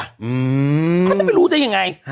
เขาจะไปรู้ได้ยังไง